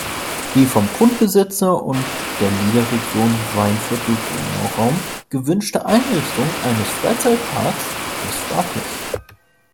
Die vom Grundbesitzer und der Leader-Region Weinviertel-Donauraum gewünschte Einrichtung eines Freizeitparks ist fraglich.